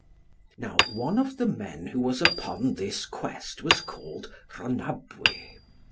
Now one of the men who was upon this quest was called Rhonabwy.